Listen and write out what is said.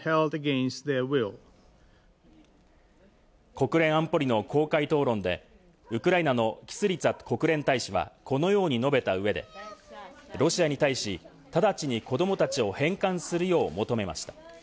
国連安保理の公開討論でウクライナのキスリツァ国連大使はこのように述べた上で、ロシアに対し、直ちに子供たちを返還するよう求めました。